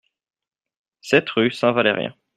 sept rue Saint-Valérien